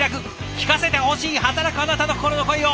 聞かせてほしい働くあなたの心の声を。